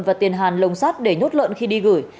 và tiền hàn lồng sắt để nhốt lợn khi đi gửi